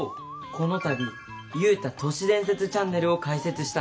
この度ユウタ都市伝説チャンネルを開設したんです。